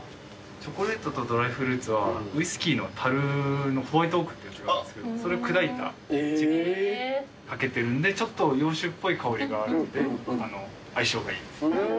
チョコレートとドライフルーツはウイスキーのたるのホワイトオークってやつがあるんですけどそれを砕いたチップでかけてるんでちょっと洋酒っぽい香りがあるんで相性がいいです。